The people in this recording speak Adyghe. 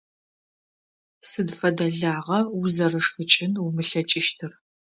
Сыд фэдэ лагъа узэрышхыкӀын умылъэкӀыщтыр?